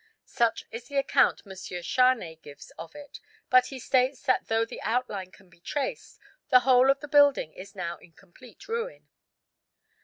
Such is the account M. Charnay gives of it, but he states that though the outline can be traced, the whole of the building is now in complete ruin.